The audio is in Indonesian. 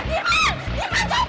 terus besok lagi tunggu